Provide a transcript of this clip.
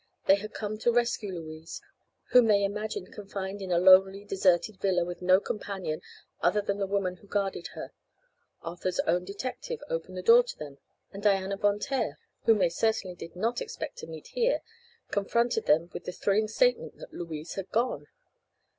They had come to rescue Louise, whom they imagined confined in a lonely deserted villa with no companion other than the woman who guarded her. Arthur's own detective opened the door to them and Diana Von Taer, whom they certainly did not expect to meet here, confronted them with the thrilling statement that Louise had gone.